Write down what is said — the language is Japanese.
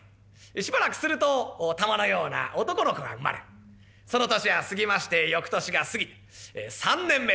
しばらくすると玉のような男の子が生まれその年が過ぎまして翌年が過ぎて三年目。